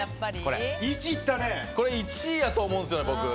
これ１位やと思うんですよ、僕。